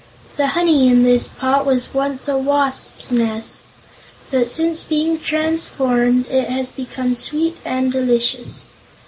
The honey in this pot was once a wasp's nest, but since being transformed it has become sweet and delicious.